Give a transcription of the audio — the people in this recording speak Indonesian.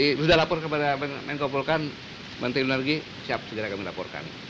kami sudah lapor kepada menko polkam menteri luar negeri siap segera kami laporkan